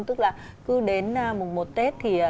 tức là cứ đến mùng một tết thì